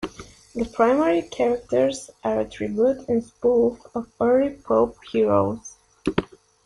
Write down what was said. The primary characters are a tribute and spoof of early pulp heroes.